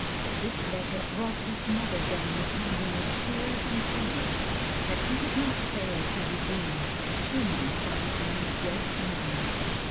This letter brought his mother down upon him with tears and pleadings that he would not fail to redeem the Schumanns by becoming a Great Man.